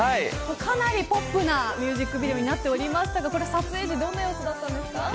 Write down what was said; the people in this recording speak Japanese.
かなりポップなミュージックビデオになっておりましたが撮影時どんな様子だったんですか。